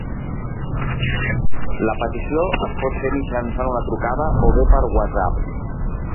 La petició es pot fer mitjançant una trucada o bé per whatsapp.